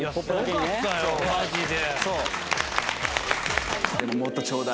マジで。